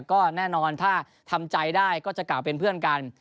ก็แน่นอนถ้าทำใจได้ก็จะกล่าวเป็นเพื่อนกัน